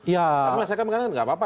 tapi masyarakat menganggarkan gak apa apa